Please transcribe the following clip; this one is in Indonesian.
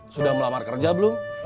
sudah melamar kerja belum